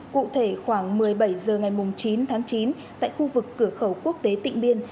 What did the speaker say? cụ thể khoảng một mươi bảy h ngày chín tháng chín tại khu vực cửa khẩu quốc tế tịnh biên